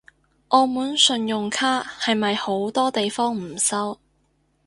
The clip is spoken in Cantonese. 澳門信用卡係咪好多地方唔收？